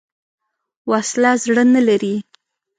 وسله زړه نه لري